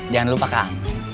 jangan lupa kang